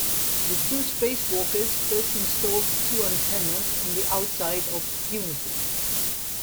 The two spacewalkers first installed two antennas on the outside of "Unity".